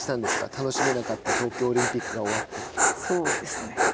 楽しめなかった東京オリンピックそうですね。